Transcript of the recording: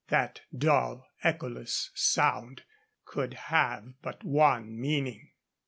That dull, echoless sound could have but one meaning.